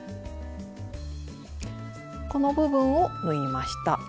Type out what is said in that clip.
この部分を縫いました。